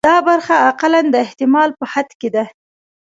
دا برخه اقلاً د احتمال په حد کې ده.